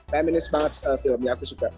feminist banget filmnya aku suka